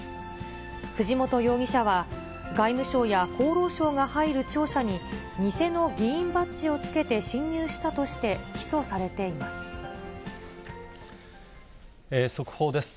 藤本容疑者は、外務省や厚労省が入る庁舎に、偽の議員バッジをつけて侵入した速報です。